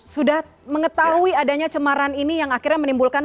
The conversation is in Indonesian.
sudah mengetahui adanya cemaran ini yang akhirnya menimbulkan